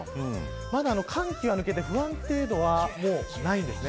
まだ寒気が抜けて不安定度はないんですね。